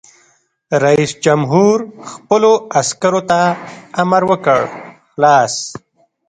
رئیس جمهور خپلو عسکرو ته امر وکړ؛ خلاص!